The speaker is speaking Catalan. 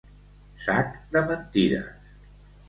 Sac de mentides.